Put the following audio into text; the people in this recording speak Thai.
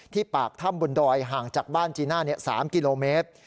ปากถ้ำบนดอยห่างจากบ้านจีน่า๓กิโลเมตร